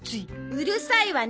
うるさいわね。